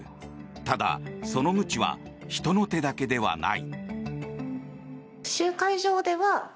ただ、そのむちは人の手だけではない。